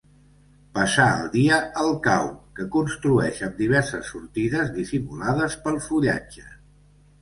Passa el dia al cau, que construeix amb diverses sortides dissimulades pel fullatge.